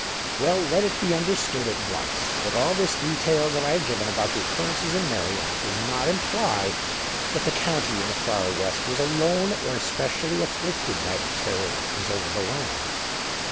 Well, let it be understood at once that all this detail that I have given about the occurrences in Meirion does not imply that the county in the far west was alone or especially afflicted by the terror that was over the land.